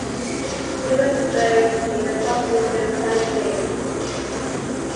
He was buried in the Holzminden Cemetery.